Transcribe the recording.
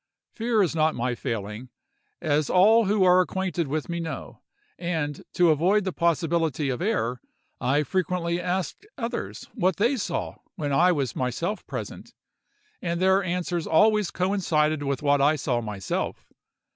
Fear is not my failing, as all who are acquainted with me know; and, to avoid the possibility of error, I frequently asked others what they saw when I was myself present; and their answers always coincided with what I saw myself.